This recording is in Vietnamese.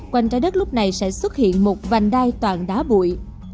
quanh trái đất lúc này sẽ xuất hiện một vành đai toàn đá bụi